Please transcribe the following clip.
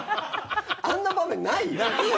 あんな場面ないよ。